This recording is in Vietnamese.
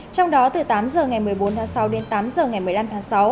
trong đó từ tám giờ ngày một mươi bốn tháng sáu đến tám h ngày một mươi năm tháng sáu